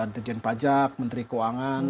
dijen pajak menteri keuangan